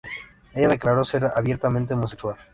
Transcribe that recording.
Ella declaró ser abiertamente homosexual.